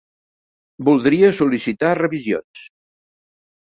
Voldria sol·licitar revisions.